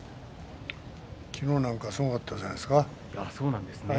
昨日なんかすごかったんじゃないですか。